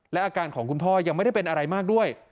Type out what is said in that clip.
และอาการของคุณพ่อยังไม่ได้เป็นอะไรมากด้วย